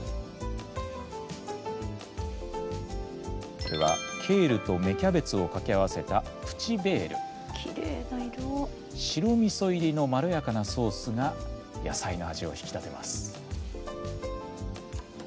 これはケールと芽キャベツを掛け合わせた白みそ入りのまろやかなソースが野菜の味を引き立てます。